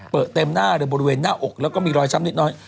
เต็มหน้าเลยบริเวณหน้าอกแล้วก็มีรอยช้ำนิดน้อย